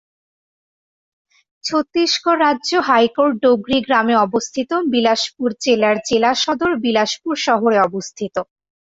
ছত্তীসগঢ় রাজ্য হাইকোর্ট ডোগরি গ্রামে অবস্থিত, বিলাসপুর জেলার জেলা সদর বিলাসপুর শহরে অবস্থিত।